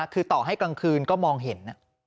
คือต่อให้กลางคืนก็มองเห็น